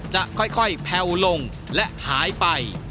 จะค่อยแพลวลงและหายไป